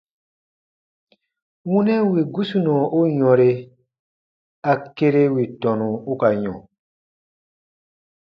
Wunɛ wì gusunɔ u yɔ̃re, a kere wì tɔnu u ka yɔ̃.